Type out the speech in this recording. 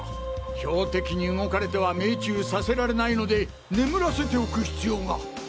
標的に動かれては命中させられないので眠らせておく必要が。